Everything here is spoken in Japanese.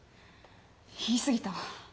言い過ぎたわ」。